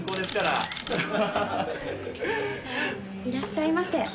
いらっしゃいませ。